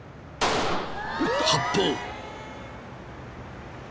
［発砲］